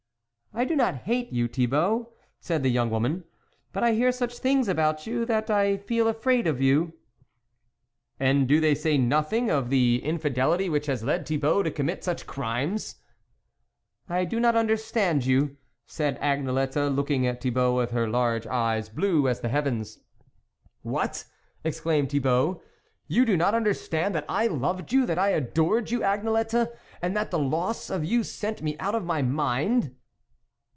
" I do not hate you, Thibault," said the young woman, " but I hear such things about you, that I feel afraid of you." " And do they say nothing of the in fidelity which has led Thibault to commit such crimes ?"" I do not understand you," said Agne lette looking at Thibault with her large eyes, blue as the heavens. " What !" exclaimed Thibault, " you do not understand that I loved you that I adored you Agnelette, and that the loss of you sent me out of my mind